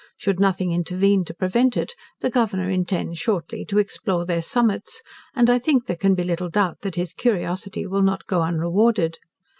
Should nothing intervene to prevent it, the Governor intends, shortly, to explore their summits: and, I think there can be little doubt, that his curiosity will not go unrewarded.